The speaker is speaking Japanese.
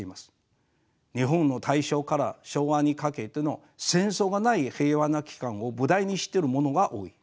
日本の大正から昭和にかけての戦争がない平和な期間を舞台にしてるものが多い。